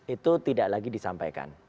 itu tidak lagi disampaikan